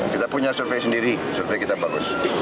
kita punya survei sendiri survei kita bagus